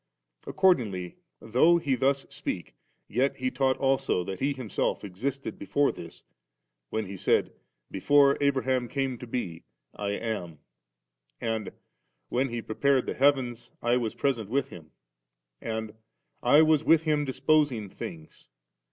Accordingly, though He thus speaks, yet He taught also that He Himself existed before this, when He ^d, 'Before Abraham came to be, I am*;' and ^ when He prepared the heavens, I was present with Him ;' and * I was with Him disposing things*.'